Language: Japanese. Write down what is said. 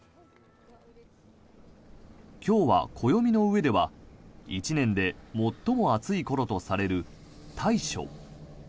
今日は暦の上では、１年で最も暑いころとされる大暑。